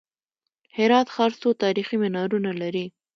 هرات ښار څو تاریخي منارونه لري؟